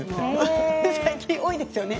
最近多いですよね。